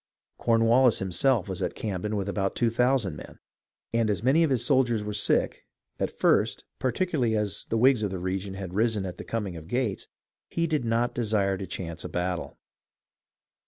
Cornwallis himself was at Camden with about two thousand men ; and as many of his soldiers were sick, at first, particularly as the Whigs of the region had risen at the coming of Gates, he did not desire to chance a battle.